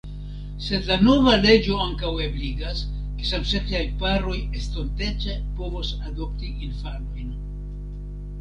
Sed la nova leĝo ankaŭ ebligas, ke samseksaj paroj estontece povos adopti infanojn.